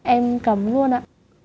em cấm luôn ạ